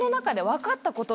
分かったこと？